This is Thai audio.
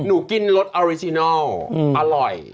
หนูกินรสอริสินัลอร่อย